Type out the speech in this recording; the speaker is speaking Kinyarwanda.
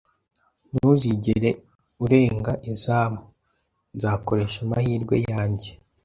"Ntuzigera urenga izamu." "Nzakoresha amahirwe yanjye."